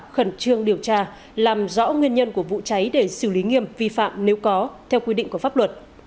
khẩn trương điều tra làm rõ nguyên nhân của vụ cháy để xử lý nghiêm vi phạm nếu có theo quy định của pháp luật